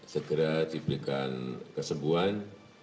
segera diberikan kesembuhan